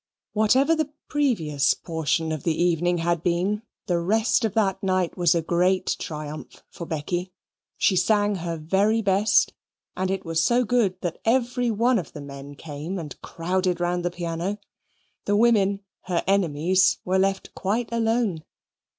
Whatever the previous portion of the evening had been, the rest of that night was a great triumph for Becky. She sang her very best, and it was so good that every one of the men came and crowded round the piano. The women, her enemies, were left quite alone.